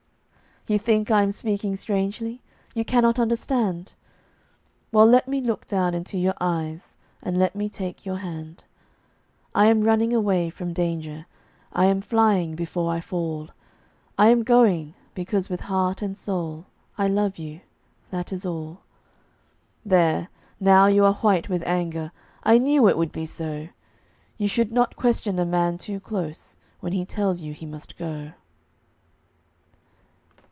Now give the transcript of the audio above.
You think I am speaking strangely? You cannot understand? Well, let me look down into your eyes, And let me take your hand. I am running away from danger; I am flying before I fall; I am going because with heart and soul I love you that is all. There, now you are white with anger; I knew it would be so. You should not question a man too close When he tells you he must go.